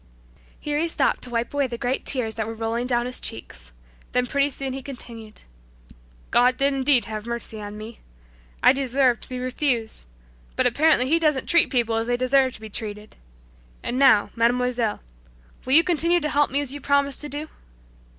Here he stopped to wipe away the great tears that were rolling down his cheeks. Then pretty soon he continued, "God did indeed have mercy on me. I deserved to be refused, but apparently He doesn't treat people as they deserve to be treated, and now, mademoiselle, will you continue to help me as you promised to do?"